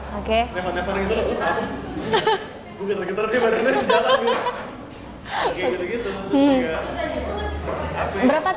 dulu kan mau belajar roasting dilot lot